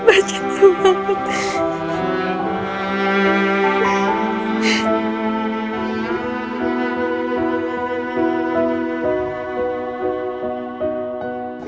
aku cinta banget